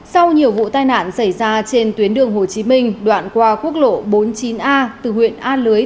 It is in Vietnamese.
sau nhiều vụ tai nạn xảy ra trên tuyến đường hồ chí minh đoạn qua quốc lộ bốn mươi chín a từ huyện a lưới